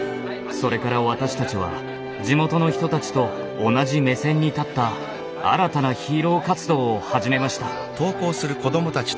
それから私たちは地元の人たちと同じ目線に立った新たなヒーロー活動を始めました。